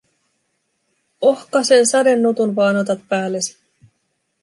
Ohkasen sadenutun vaan otat päällesi?